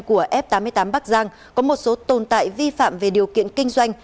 của f tám mươi tám bắc giang có một số tồn tại vi phạm về điều kiện kinh doanh